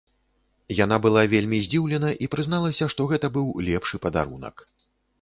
Яна была вельмі здзіўлена і прызналася, што гэта быў лепшы падарунак.